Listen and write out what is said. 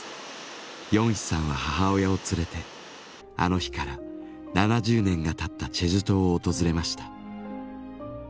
ヨンヒさんは母親を連れてあの日から７０年がたったチェジュ島を訪れました。